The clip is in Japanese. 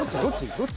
どっち？